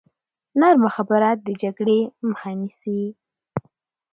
نرمه خبره د جګړې مخه نیسي.